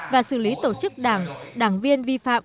và xử lý tổ chức đảng đảng viên vi phạm